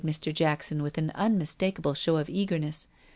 continued Mr. Jackson, with an un mistakable show of eagerness.